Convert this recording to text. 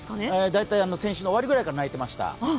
大体、先週の終わりぐらいから鳴いてました。